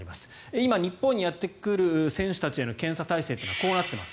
今、日本にやってくる選手たちへの検査体制はこうなっています。